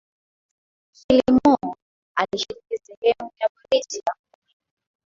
phillimore alishiriki sehemu ya boriti ya kuni